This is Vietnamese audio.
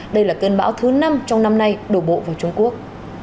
đây là cơn bão thứ năm trong năm nay đổ bộ vào trung quốc